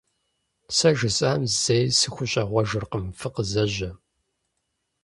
Сэ жысӀам зэи сыхущӀегъуэжыркъым, фыкъызэжьэ!